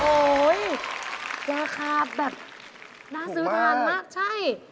โอ้โหราคาแบบน่าซื้อทานมากใช่